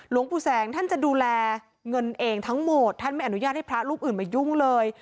หลวงปู่แสงท่านจะดูแลเงินเองทั้งหมดท่านไม่อนุญาตให้พระรูปอื่นมายุ่งเลย